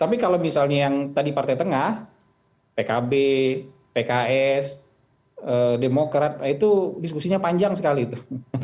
tapi kalau misalnya yang tadi partai tengah pkb pks demokrat itu diskusinya panjang sekali itu